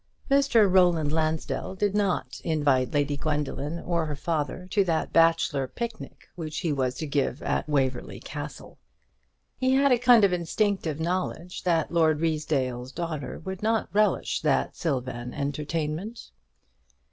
Mr. Roland Lansdell did not invite Lady Gwendoline or her father to that bachelor picnic which he was to give at Waverly Castle. He had a kind of instinctive knowledge that Lord Ruysdale's daughter would not relish that sylvan entertainment.